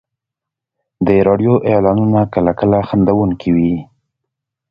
د راډیو اعلانونه کله کله خندونکي وي.